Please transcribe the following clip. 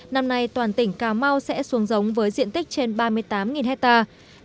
năm nay toàn tỉnh cà mau sẽ xuống giống với diện tích trên ba mươi tám hectare